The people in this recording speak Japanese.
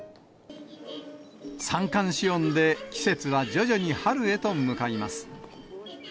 三寒四温で季節は徐々に春へと向かいます。